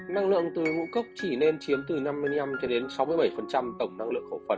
năng lượng từ ngũ cốc chỉ nên chiếm từ năm mươi năm cho đến sáu mươi bảy tổng năng lượng khẩu phần